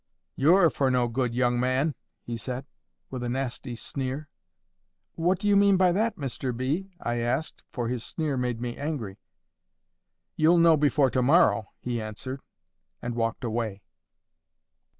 'YOU're for no good, young man!' he said with a nasty sneer. 'What do you mean by that, Mr B.?' I asked, for his sneer made me angry. 'You'll know before to morrow,' he answered, and walked away.